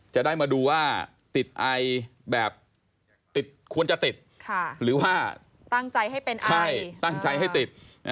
จะได้มาดูว่าติดไอแบบติดควรจะติดหรือว่าตั้งใจให้เป็นไอตั้งใจให้ติด